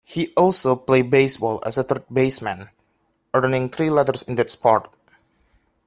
He also played baseball as a third baseman, earning three letters in that sport.